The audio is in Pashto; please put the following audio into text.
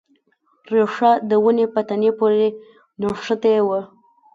ریښه د ونې په تنې پورې نښتې وه.